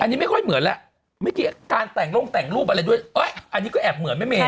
อันนี้ไม่ค่อยเหมือนแล้วเมื่อกี้การแต่งลงแต่งรูปอะไรด้วยอันนี้ก็แอบเหมือนแม่เมย